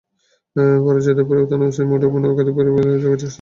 পরে জয়দেবপুর থানার ওসির মুঠোফোনে একাধিকবার যোগাযোগের চেষ্টা করা হলেও তিনি ফোন ধরেননি।